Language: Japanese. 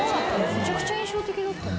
めちゃくちゃ印象的だった。